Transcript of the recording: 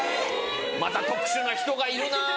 また特殊な人がいるな。